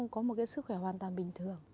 có một cái sức khỏe hoàn toàn bình thường